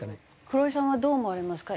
黒井さんはどう思われますか？